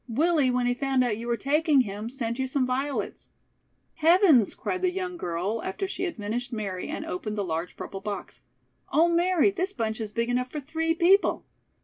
Willie, when he found out you were taking him, sent you some violets." "Heavens!" cried the young girl, after she had finished Mary and opened the large purple box. "Oh, Mary, this bunch is big enough for three people."